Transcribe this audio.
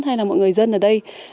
hay là mọi người dân ở đây